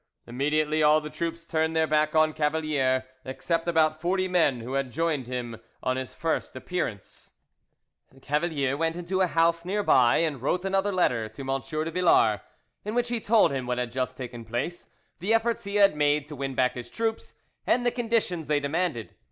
Immediately all the troops turned their back on Cavalier except about forty men who had joined him on his first appearance. Cavalier went into a house near by, and wrote another letter to M. de Villars, in which he told him what had just taken place, the efforts he had made to win back his troops, and the conditions they demanded.